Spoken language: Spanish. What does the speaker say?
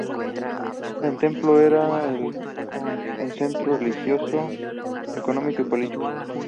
El templo era el centro religioso, económico y político.